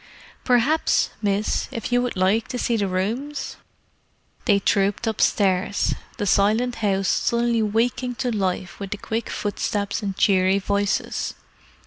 "Perhaps, miss, if you would like to see the rooms?" They trooped upstairs, the silent house suddenly waking to life with the quick footsteps and cheery voices.